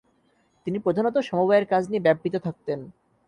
তিনি প্রধানত সমবায়ের কাজ নিয়ে ব্যাপৃত থাকতেন।